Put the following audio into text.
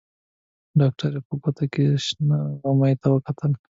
ډاکټرې په ګوته کې شنه غمي ته وکتل.